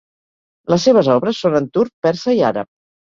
Les seves obres són en turc, persa i àrab.